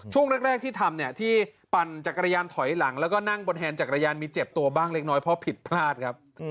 ช่วงแรกที่ทำเนี่ยที่ปั่นจักรยานถอยหลังแล้วก็นั่งบนแฮนดจักรยานมีเจ็บตัวบ้างเล็กน้อยเพราะผิดพลาดครับ